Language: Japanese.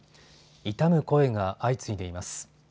悼む声が相次いでいます。